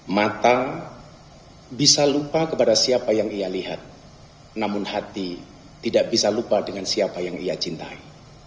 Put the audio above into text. matang bisa lupa kepada siapa yang ia lihat namun hati tidak bisa lupa dengan siapa yang ia cintai